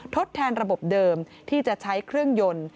ทดแทนระบบเดิมที่จะใช้เครื่องยนต์